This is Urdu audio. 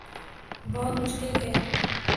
بہت مشکل ہے